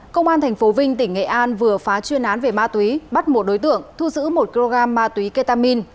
công an tp vinh tỉnh nghệ an vừa phá chuyên án về ma túy bắt một đối tượng thu giữ một kg ma túy ketamin